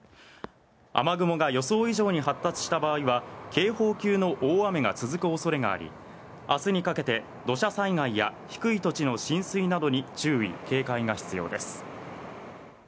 雨雲が予想以上に発達した場合は警報級の大雨が続くおそれがあり、あすにかけて、土砂災害や低い土地の浸水などに注意警戒が必要です。